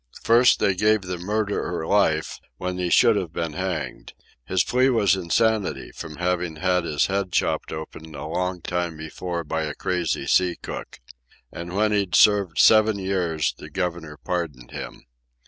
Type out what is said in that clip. First, they gave the murderer life, when he should have been hanged. His plea was insanity, from having had his head chopped open a long time before by a crazy sea cook. And when he'd served seven years the governor pardoned him.